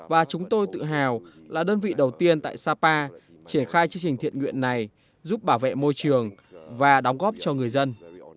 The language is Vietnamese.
và chúng tôi tự hào là đơn vị đầu tiên tại sapa triển khai chương trình thiện nguyện này giúp bảo vệ môi trường và đóng góp cho người dân